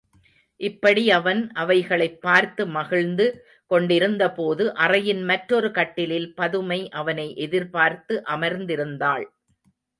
இப்படி அவன் அவைகளைப் பார்த்து மகிழ்ந்து கொண்டிருந்தபோது, அறையின் மற்றொரு கட்டிலில் பதுமை அவனை எதிர்பார்த்து அமர்ந்திருந்தாள்.